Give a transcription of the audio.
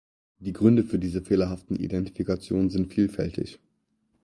Die Gründe für diese fehlerhaften Identifikationen sind vielfältig.